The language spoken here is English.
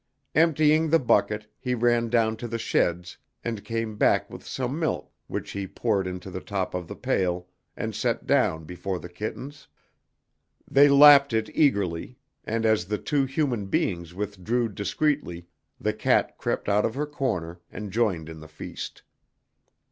Emptying the bucket, he ran down to the sheds, and came back with some milk which he poured into the top of the pail, and set down before the kittens. They lapped it eagerly, and as the two human beings withdrew discreetly, the cat crept out of her corner and joined in the feast.